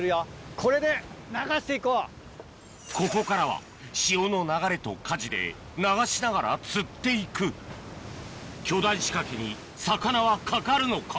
ここからは潮の流れと舵で流しながら釣っていく巨大仕掛けに魚はかかるのか？